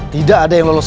jangan sampai lolos